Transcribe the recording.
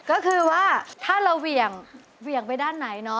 ก็คือว่าถ้าเราเหวี่ยงเหวี่ยงไปด้านไหน